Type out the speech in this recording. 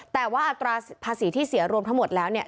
แต่ว่าอัตราภาษีที่เสียรวมทั้งหมดแล้วเนี่ย